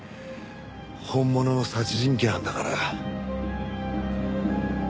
本物の殺人鬼なんだから。